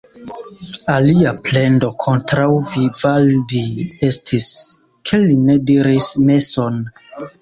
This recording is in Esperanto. Alia plendo kontraŭ Vivaldi estis, ke li ne diris meson.